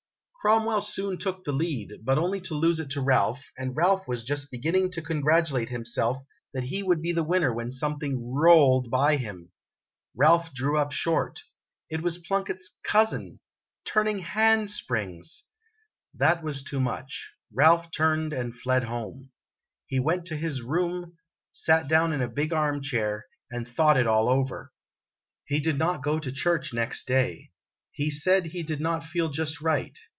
Cromwell soon took the lead, but only to lose it to Ralph, and Ralph was just beginning to congratulate himself that he would be the winner when something rolled by him. Ralph drew up short. It was Plunkett's " cousin " turning handsprings ! That was too much. Ralph turned and fled home. He went to his room, sat down in a bif arm chair, and thought it all over. o> O He did not go to church next day. He said he did not feel just right.